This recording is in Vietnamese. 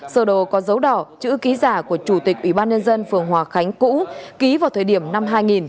sở đồ có dấu đỏ chữ ký giả của chủ tịch ủy ban nhân dân phường hòa khánh cũ ký vào thời điểm năm hai nghìn